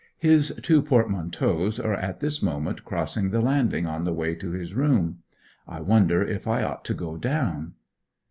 His two portmanteaus are at this moment crossing the landing on the way to his room. I wonder if I ought to go down.